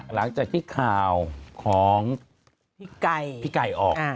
หลังจากที่ข่าวของพี่ไก่ออก